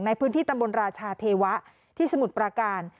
ในพื้นที่ตำบลราชาเทวะที่สมุทรปราการ